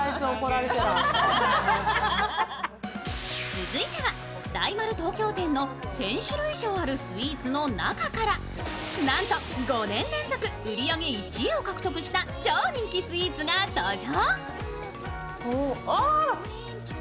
続いては大丸東京店の１０００種類以上あるスイーツの中からなんと５年連続、売り上げ１位を獲得した超人気スイーツが登場。